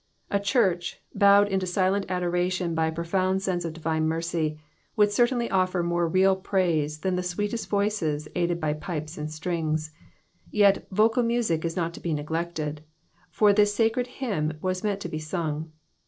A church, bowed into silent adoration by a profound sense of divine mercy, would certainly offer more real praise than the sweetest voices aided by pipes and strings ; yet, vocal music is not to be neglected, for this sacred hymn was meant to be sung.